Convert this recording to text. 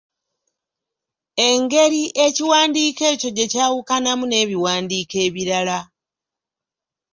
Engeri ekiwandiiko ekyo gye kyawukanamu n'ebiwandiiko ebirala.